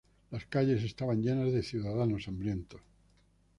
Las calles estaban llenas de ciudadanos hambrientos.